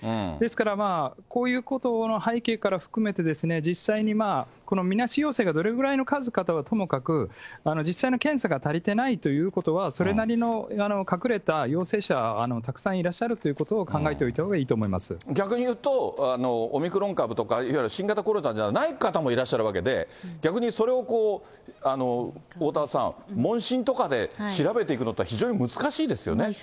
ですから、こういうことの背景から含めて、実際にみなし陽性がどれくらいの数かはともかく、実際の検査が足りていないということは、それなりの隠れた陽性者、たくさんいらっしゃるということを考えておいたほうがいいと思い逆に言うと、オミクロン株とかいわゆる新型コロナじゃない方もいらっしゃるわけで、逆にそれを、おおたわさん、問診とかで調べていくのって非常に難しいですよね。